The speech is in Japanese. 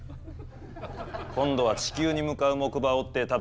今度は地球に向かう木馬を追ってたたくそうだ。